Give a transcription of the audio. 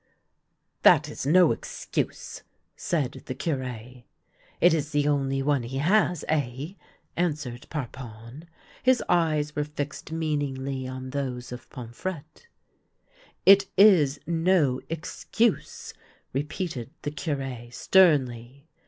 " That is no excuse," said the Cure. " It is the only one he has, eh ?" answered Parpon. His eyes were fixed meaningly on those of Pom frette. " It is no excuse," repeated the Cure, sternly.